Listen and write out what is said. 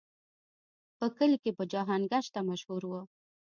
په کلي کې په جهان ګشته مشهور و.